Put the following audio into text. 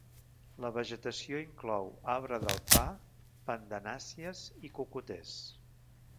La vegetació inclou arbre del pa, pandanàcies i cocoters.